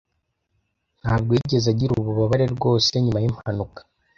Ntabwo yigeze agira ububabare rwose nyuma yimpanuka.